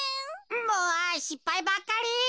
もうしっぱいばっかり。